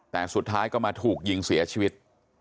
แต่สุดท้ายก็มาถูกยิงเสียชีวิต